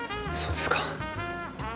そうですか。